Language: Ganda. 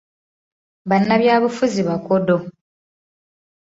Bannabyabufuzi bakodo.